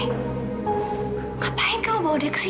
ngapain kamu bawa dia ke sini